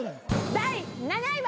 第７位は。